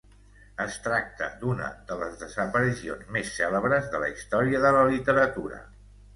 Es tracta d'una de les desaparicions més cèlebres de la història de la literatura.